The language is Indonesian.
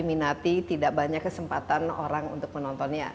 diminati tidak banyak kesempatan orang untuk menontonnya